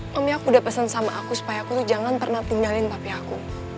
mami aku udah pesen sama aku supaya aku tuh jangan pernah tinggalin papi aku